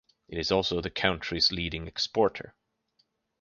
It is also the country's leading exporter.